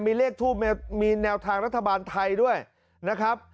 มีเลขทูปมีแนวทางรัฐบาลไทยด้วยนะครับ